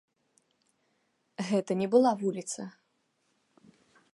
Гэта не была вуліца.